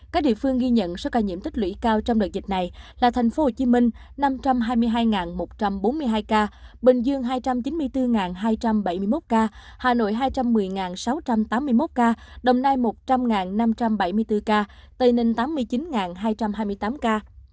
các địa phương ghi nhận số ca nhiễm tích lũy cao trong đợt dịch này là tp hcm năm trăm hai mươi hai một trăm bốn mươi hai ca bình dương hai trăm chín mươi bốn hai trăm bảy mươi một ca hà nội hai trăm một mươi sáu trăm tám mươi một ca đồng nai một trăm linh năm trăm bảy mươi bốn ca tây ninh tám mươi chín hai trăm hai mươi tám ca